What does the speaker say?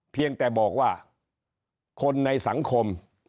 เพียงแต่บอกว่าคนในสังคม